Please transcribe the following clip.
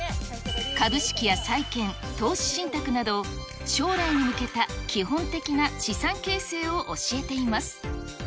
株式や債券、投資信託など、将来に向けた基本的な資産形成を教えています。